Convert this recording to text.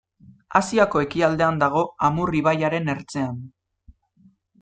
Asiako ekialdean dago, Amur ibaiaren ertzean.